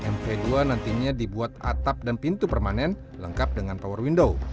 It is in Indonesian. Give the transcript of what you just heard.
mv dua nantinya dibuat atap dan pintu permanen lengkap dengan power window